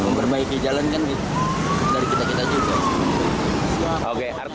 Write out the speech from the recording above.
memperbaiki jalan kan dari kita kita juga